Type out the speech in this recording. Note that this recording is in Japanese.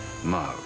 まあ